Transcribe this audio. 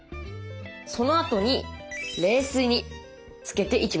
そのあとに冷水につけていきます。